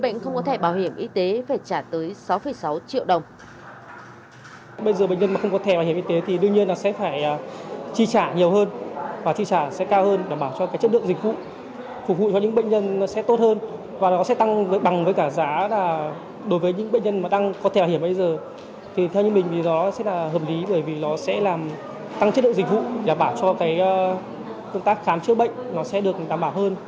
người bệnh không có thẻ bảo hiểm y tế phải trả tới sáu sáu triệu đồng